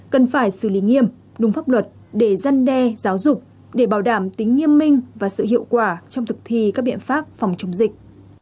cần phải xử lý nghiêm đúng pháp luật để giăn đe giáo dục để bảo đảm tính nghiêm minh và sự hiệu quả trong thực thi các biện pháp phòng chống dịch